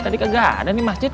tadi kega ada nih masjid